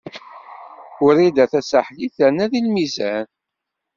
Wrida Tasaḥlit terna deg lmizan.